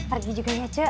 pergi juga ya cuk